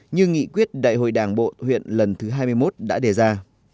như nghị quyết đại hội đảng bộ huyện lần thứ hai mươi một đã đề ra